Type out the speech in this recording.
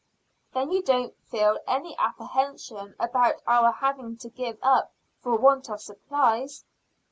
"Then you don't feel any apprehension about our having to give up for want of supplies?"